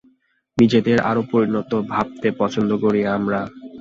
নিজেদের আরো পরিণত ভাবতে পছন্দ করি আমরা।